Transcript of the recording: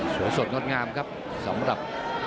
สวยสดงดงามครับสำหรับ